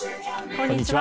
こんにちは。